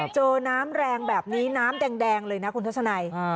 เจอน้ำแรงแบบนี้น้ำแดงเลยนะคุณทัศนัย